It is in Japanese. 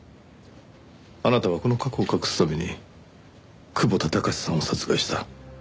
あなたはこの過去を隠すために窪田宗さんを殺害した。